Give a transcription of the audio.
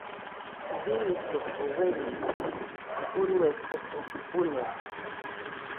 Bii koko uerilli urue koko fɨnolle.